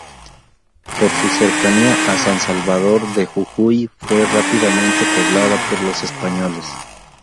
Por su cercanía a San Salvador de Jujuy fue rápidamente poblada por los españoles.